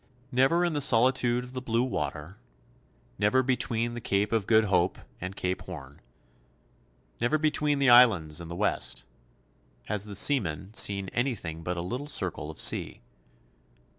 Never in the solitude of the blue water, never between the Cape of Good Hope and Cape Horn, never between the Islands and the West, has the seaman seen anything but a little circle of sea.